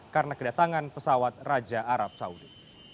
karena kedatangan pesawat raja arab saudi